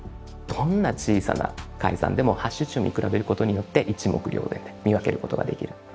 どんな小さな改ざんでもハッシュ値を見比べることによって一目瞭然で見分けることができる。